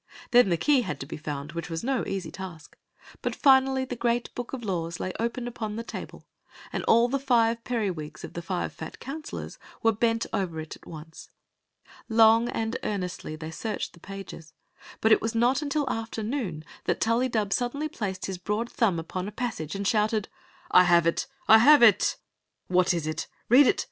Then the key had to be found, which was no easy task ; but finally the great book of laws lay open upon the table, and all the five periwigs of the five fat counselors were bent over it at once. Long and earnestly they searched the pages, but it was not until after noon that Tullydub sud denly placed his broad ^umb upon a passage and shouted : "I have it! I have it!" "What is it? Read it